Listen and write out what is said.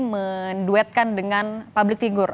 menduetkan dengan public figure